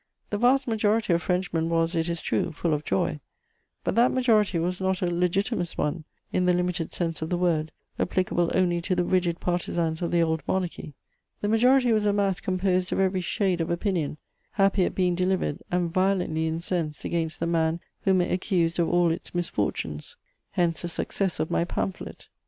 The vast majority of Frenchmen was, it is true, full of joy; but that majority was not a Legitimist one in the limited sense of the word, applicable only to the rigid partisans of the old Monarchy. The majority was a mass composed of every shade of opinion, happy at being delivered, and violently incensed against the man whom it accused of all its misfortunes: hence the success of my pamphlet.